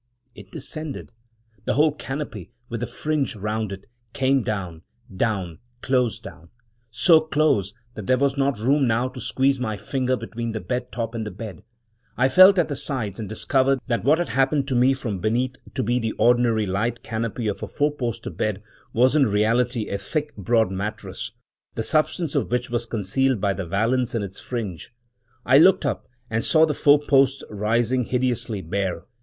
It descended — the whole canopy, with the fringe round it, came down — down — close down; so close that there was not room now to squeeze my finger between the bed top and the bed. I felt at the sides, and discovered that what had appeared to me from beneath to be the ordinary light canopy of a four post bed was in reality a thick, broad mattress, the substance of which was concealed by the valance and its fringe. I looked up and saw the four posts rising hideously bare.